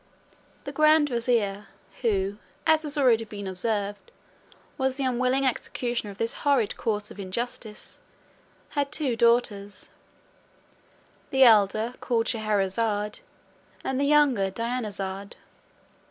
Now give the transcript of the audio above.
The grand vizier who, as has been already observed, was the unwilling executioner of this horrid course of injustice, had two daughters, the elder called Scheherazade, and the younger Dinarzade.